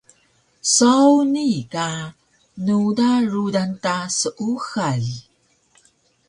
Saw nii ka nuda rudan ta seuxal